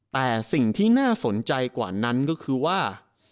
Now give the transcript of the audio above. แต่สิ่งที่น่าสนใจกว่านั้นก็คือว่า